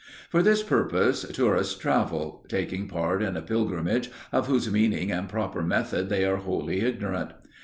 For this purpose tourists travel, taking part in a pilgrimage of whose meaning and proper method they are wholly ignorant.